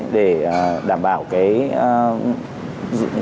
để đảm bảo dụng